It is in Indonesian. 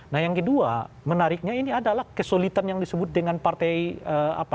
nah yang kedua menariknya ini adalah kesulitan yang disebut dengan partai apa